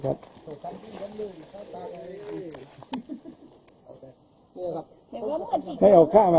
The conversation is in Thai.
เหลืองเท้าอย่างนั้น